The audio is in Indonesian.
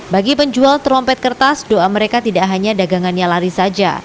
bagi penjual trompet kertas doa mereka tidak hanya dagangannya lari saja